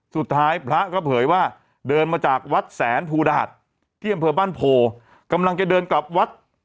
สุดท้ายพระก็เผยว่าเดินมาจากวัดแสนภูดาหัสที่อำเภอบ้านโพกำลังจะเดินกลับวัด